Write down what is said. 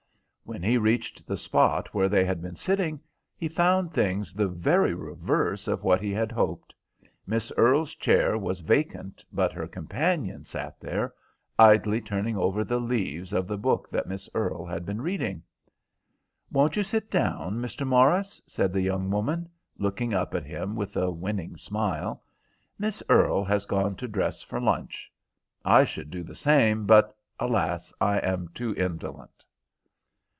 When he reached the spot where they had been sitting he found things the very reverse of what he had hoped. Miss Earle's chair was vacant, but her companion sat there, idly turning over the leaves of the book that Miss Earle had been reading. "Won't you sit down, Mr. Morris?" said the young woman, looking up at him with a winning smile. "Miss Earle has gone to dress for lunch. I should do the same thing, but, alas! I am too indolent."